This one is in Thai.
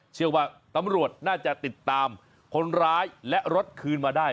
เชื่อว่าตำรวจน่าจะติดตามคนร้ายและรถคืนมาได้